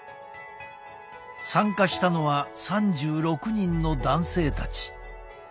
参加したのは３６人の男性たち。